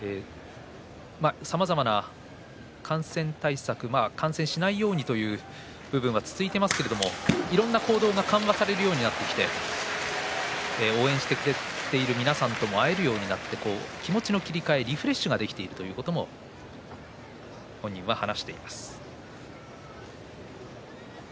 さまざまな感染対策続いていますけれどもいろいろな行動が緩和されるようになってきて応援してくれている皆さんとも会えるようになって気持ちの切り替えリフレッシュができていると本人は話しています。